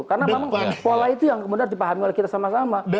karena memang pola itu yang kemudian dipahami oleh kita sama sama